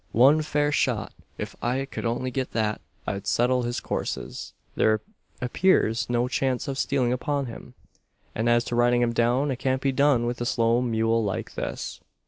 One fair shot if I could only get that, I'd settle his courses. "There appears no chance of stealing upon him; and as to riding him down, it can't be done with a slow mule like this.